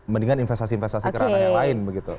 mendingan investasi investasi kerana yang lain begitu